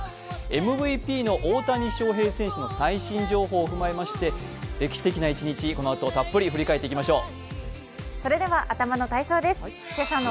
ＭＶＰの大谷翔平選手の最新情報を交えまして歴史的な一日、このあとたっぷり振り返っていきましょう。